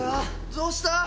どうした？